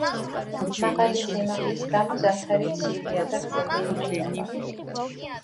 მაღალი სიმაღლის გამო ზამთარი ცივია და გზები იყინება.